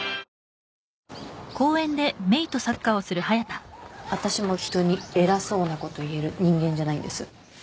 あっ私も人に偉そうなこと言える人間じゃないんです